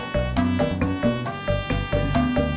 kau mau ulang ya